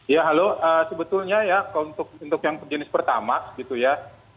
ya halo sebetulnya ya untuk yang jenis pertamax gitu ya